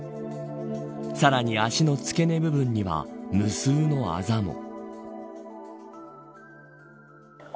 さらに足の付け根部分には無数のあざも。